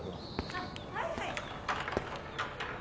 ・あっはいはい・